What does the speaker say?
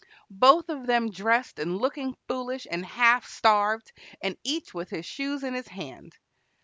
Both of them dressed and looking foolish and half starved, and each with his shoes in his hand.